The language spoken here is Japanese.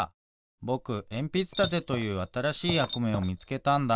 ぼくえんぴつたてというあたらしいやくめをみつけたんだ。